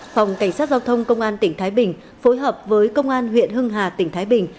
phòng cảnh sát giao thông công an tỉnh thái bình phối hợp với công an huyện hưng hà tỉnh thái bình